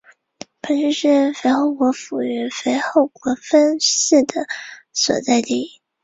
本市是肥后国府与肥后国分寺所在地。